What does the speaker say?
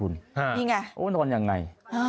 น่าเห็นไหม